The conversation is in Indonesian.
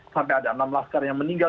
sampai ada enam laskar yang meninggal